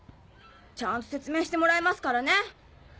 ちゃんと説明してもらいますからね。